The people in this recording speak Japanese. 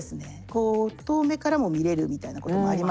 こう遠目からも見れるみたいなこともありますよね。